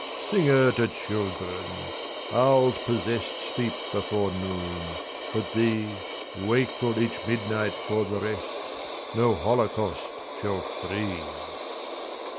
Singer to children! Ours possessedSleep before noon—but thee, Wakeful each midnight for the rest, No holocaust shall free!